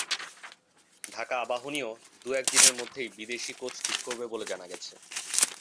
ঢাকা আবাহনীও দু-এক দিনের মধ্যেই বিদেশি কোচ ঠিক করবে বলে জানা গেছে।